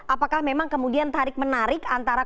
apakah memang kemudian tarik menarik antara